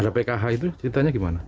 ada pkh itu ceritanya gimana